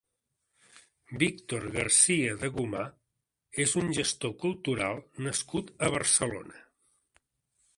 Víctor García de Gomar és un gestor cultural nascut a Barcelona.